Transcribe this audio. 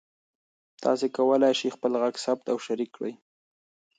تاسي کولای شئ خپل غږ ثبت او شریک کړئ.